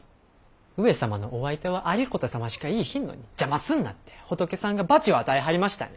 上様のお相手は有功様しかいいひんのに邪魔すんなって仏さんが罰を与えはりましたんや！